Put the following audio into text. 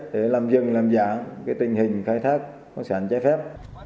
để làm dân làm giảm tình hình khai thác khoáng sản trái phép